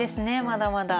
まだまだ。